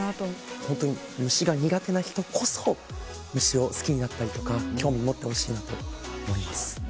ホントに虫が苦手な人こそ虫を好きになったりとか興味持ってほしいなと思います。